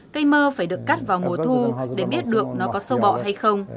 cây mơ phải được cắt vào mùa thu để biết được nó có sâu bọ hay không